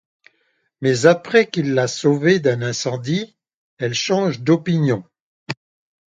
Mais après qu'il l'a sauvée d'un incendie, elle change d'opinion.